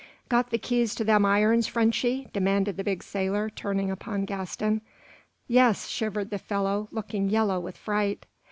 "Got the keys to them irons, Frenchy?" demanded the big sailor, turning upon Gaston. "Yes," shivered the fellow, looking yellow with fright.